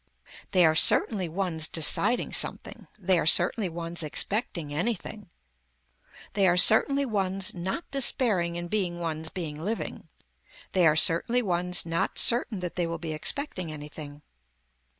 They are certainly ones deciding something. They are certainly ones expecting anything. They are certainly ones not despairing in being ones being living. They are certainly ones not certain that they will be expecting anything.